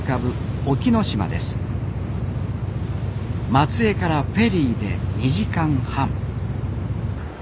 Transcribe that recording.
松江からフェリーで２時間半。